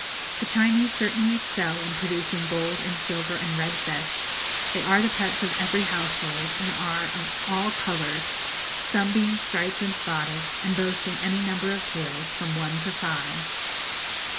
The Chinese certainly excel in producing gold and silver and red fish; they are the pets of every household, and are of all colours, some being striped and spotted, and boasting any number of tails from one to five.